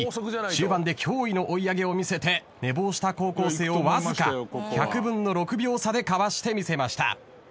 終盤で驚異の追い上げを見せて寝坊した高校生をわずか１００分の６秒差でかわしてみせました。